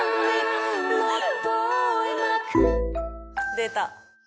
出た！